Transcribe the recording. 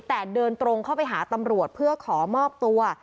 แต่เดินตรงเข้าไปหาตำรวจเพื่อขอมอบตัว